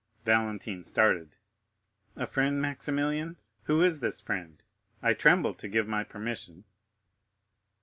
Valentine started. "A friend, Maximilian; and who is this friend? I tremble to give my permission."